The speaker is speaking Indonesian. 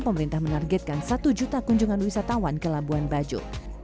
pemerintah menargetkan satu juta kunjungan wisatawan ke labuan bajo